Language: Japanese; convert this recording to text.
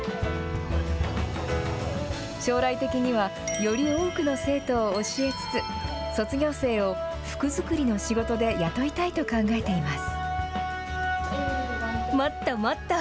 将来的にはより多くの生徒を教えつつ卒業生を服作りの仕事で雇いたいと考えています。